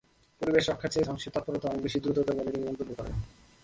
পরিবেশ রক্ষার চেয়ে ধ্বংসের তৎপরতা অনেক বেশি দ্রুততর বলে তিনি মন্তব্য করেন।